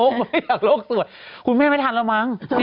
ไม่อยากโลกสวยคุณแม่ไม่ทันแล้วมั้ง